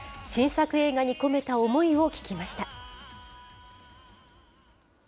新作映画に込めた思いを聞きました。